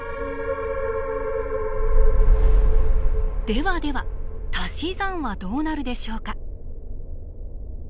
ではではたし算はどうなるでしょうか？